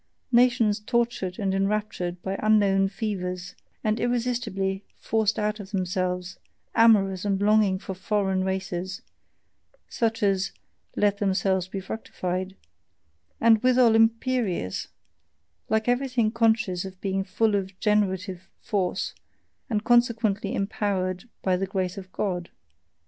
nations tortured and enraptured by unknown fevers and irresistibly forced out of themselves, amorous and longing for foreign races (for such as "let themselves be fructified"), and withal imperious, like everything conscious of being full of generative force, and consequently empowered "by the grace of God."